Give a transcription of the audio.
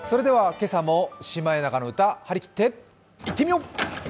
今朝も「シマエナガの歌」はりきって、いってみよう！